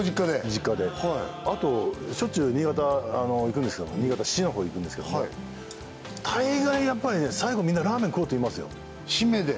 実家であとしょっちゅう新潟行くんですけども新潟市の方行くんですけどもたいがいやっぱりね最後みんなラーメン食おうって言いますよシメで？